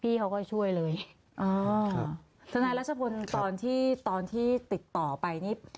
พี่เขาก็ช่วยเลยอ่าทนายรัชพลตอนที่ตอนที่ติดต่อไปนี่